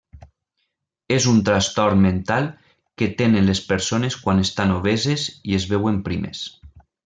És un trastorn mental que tenen les persones quan estan obeses i es veuen primes.